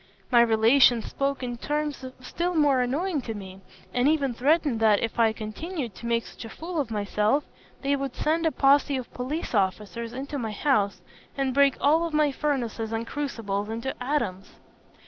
My relations spoke in terms still more annoying to me, and even threatened that, if I continued to make such a fool of myself, they would send a posse of police officers into my house, and break all my furnaces and crucibles into atoms.